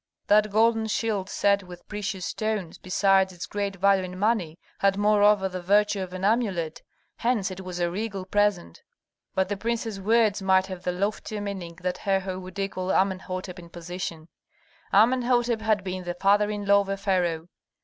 That golden shield set with precious stones, besides its great value in money, had moreover the virtue of an amulet; hence it was a regal present. But the prince's words might have the loftier meaning that Herhor would equal Amenhôtep in position. Amenhôtep had been the father in law of a pharaoh.